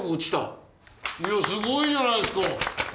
いやすごいじゃないですか！